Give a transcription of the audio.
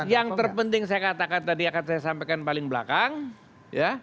yang terpenting saya katakan tadi akan saya sampaikan paling belakang ya